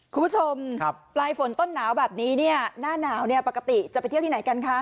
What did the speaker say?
คุณผู้ชมปลายฝนต้นหนาวแบบนี้เนี่ยหน้าหนาวเนี่ยปกติจะไปเที่ยวที่ไหนกันคะ